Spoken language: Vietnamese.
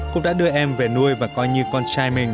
cũng đã đưa em về nuôi và coi như con trai mình